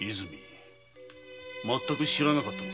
まったく知らなかったのか？